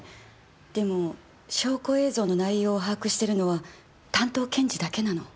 でも証拠映像の内容を把握しているのは担当検事だけなの。